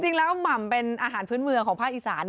จริงแล้วหม่ำเป็นอาหารพื้นเมืองของภาคอีสาน